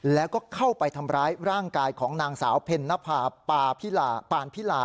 แล้วก็เข้าไปทำร้ายร่างกายของนางสาวเพ็ญนภาปานพิลา